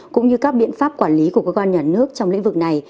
cũng như các biện pháp quản lý của cơ quan nhà nước trong lĩnh vực này